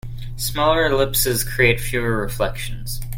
Smaller ellipses create fewer reflections.